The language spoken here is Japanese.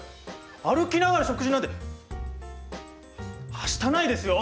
歩きながら食事なんてはしたないですよ！